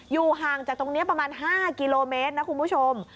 อยู่ห่างจากตรงนี้ประมาณ๕กิโลเมตรนะคุณผู้ชม